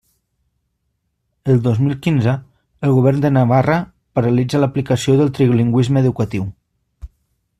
El dos mil quinze, el Govern de Navarra paralitza l'aplicació del trilingüisme educatiu.